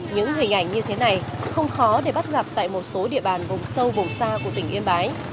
những hình ảnh như thế này không khó để bắt gặp tại một số địa bàn vùng sâu vùng xa của tỉnh yên bái